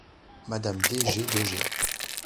Madame D. G. de G.